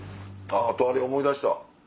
あっあとあれ思い出した。